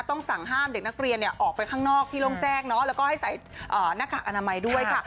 ต้องสั่งห้ามเด็กนักเรียนออกไปข้างนอกที่โล่งแจ้งแล้วก็ให้ใส่หน้ากากอนามัยด้วยค่ะ